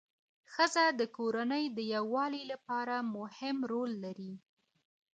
ښځه د کورنۍ د یووالي لپاره مهم رول لري